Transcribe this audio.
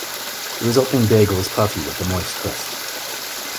The resulting bagel is puffy with a moist crust.